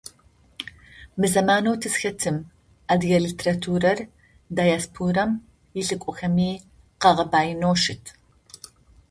Мы зэманэу тызхэтым адыгэ литературэр диаспорэм илӏыкӏохэми къагъэбаинэу щыт.